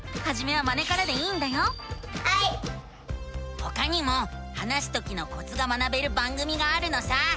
ほかにも話すときのコツが学べる番組があるのさ！